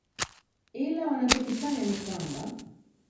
ila wanachokifanya ni kwamba